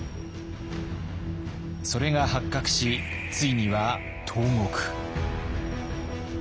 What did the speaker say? それが発覚しついには投獄。